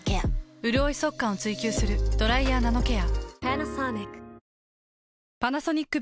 うるおい速乾を追求する「ドライヤーナノケア」。